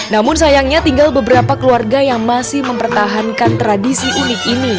namun sayangnya tinggal beberapa keluarga yang masih mempertahankan tradisi unik ini